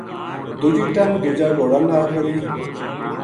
دوجی ٹنگ دوجا گھوڑا ناڑ بَدھی